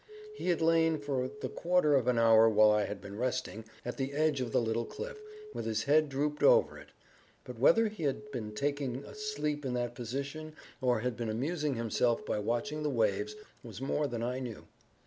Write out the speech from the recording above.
He had lain, for the quarter of an hour while I had been resting, at the edge of the little cliff, with his head dropped over it; but whether he had been taking a sleep in that position, or had been amusing himself by watching the waves, was more than I knew.